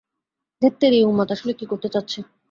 ধ্যাত্তেরি, এই উন্মাদ আসলে কী করতে চাচ্ছে?